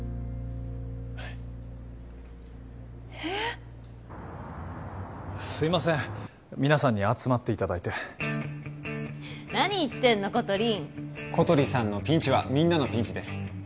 はいえっすいません皆さんに集まっていただいて何言ってんのコトリン小鳥さんのピンチはみんなのピンチです